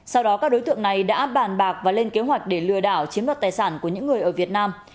sau đó các đối tượng này đã bàn bạc và lên kế hoạch để lừa đảo chiếm đoạt tài sản của những người ở việt nam